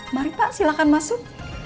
mari pak silahkan masuk